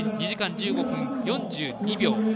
２時間１５分４２秒。